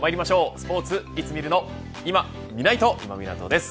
スポーツいつ見るのいまみないと今湊です。